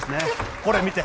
これ、見て。